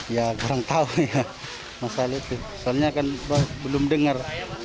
ya jarang tahu masalah itu soalnya kan belum dengar